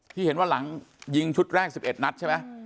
ที่เห็นว่าหลังยิงชุดแรก๑๑นัดใช่ไหม